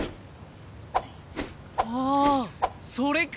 ああそれか！